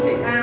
với tinh thần